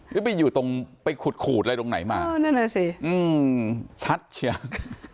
หรือไปอยู่ตรงไปขูดขูดอะไรตรงไหนมานั่นแหละสิชัดเชียง